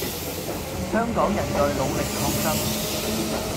香港人在努力抗爭